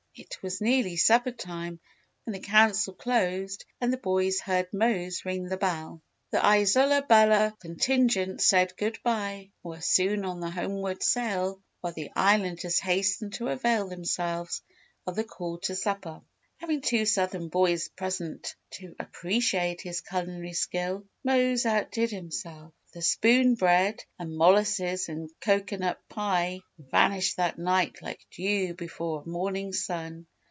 It was nearly supper time when the Council closed and the boys heard Mose ring the bell. The Isola Bella contingent said good bye and were soon on the homeward sail while the Islanders hastened to avail themselves of the call to supper. Having two Southern boys present to appreciate his culinary skill, Mose outdid himself. The spoon bread and molasses and cocoanut pie vanished that night like dew before a morning sun.